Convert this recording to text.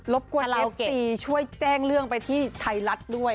บกวนเอฟซีช่วยแจ้งเรื่องไปที่ไทยรัฐด้วย